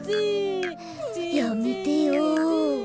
やめてよ。